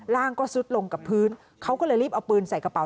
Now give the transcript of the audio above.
ร่างก็ซุดลงกับพื้นเขาก็เลยรีบเอาปืนใส่กระเป๋